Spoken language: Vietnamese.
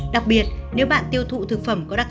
đặc biệt nếu bạn tiêu thụ thực phẩm có đặc